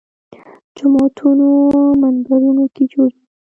جوماتونو منبرونو کې جوړېږي